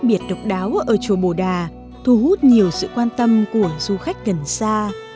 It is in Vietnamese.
biệt độc đáo ở chùa bồ đà thu hút nhiều sự quan tâm của du khách gần xa